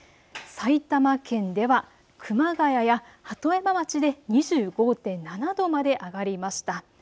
埼玉県では熊谷や鳩山町で２５．７度まで上がりました。